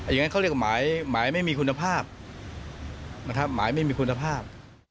อย่างนั้นเขาเรียกหมายไม่มีคุณภาพ